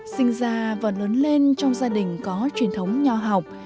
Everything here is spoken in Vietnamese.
sinh ra và lớn lên trong gia đình có truyền thống nho học